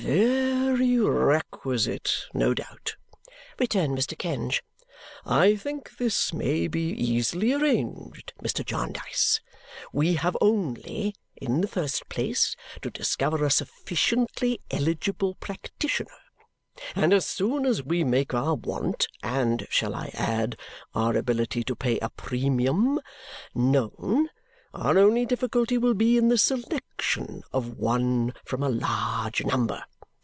"Very requisite, no doubt," returned Mr. Kenge. "I think this may be easily arranged, Mr. Jarndyce? We have only, in the first place, to discover a sufficiently eligible practitioner; and as soon as we make our want and shall I add, our ability to pay a premium? known, our only difficulty will be in the selection of one from a large number.